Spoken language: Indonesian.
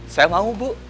saya mau bu